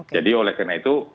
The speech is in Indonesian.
jadi oleh karena itu